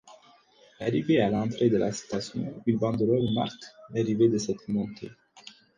Arrivé à l'entrée de la station, une banderole marque l'arrivée de cette montée.